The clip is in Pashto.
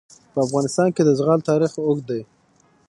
په افغانستان کې د زغال تاریخ اوږد دی.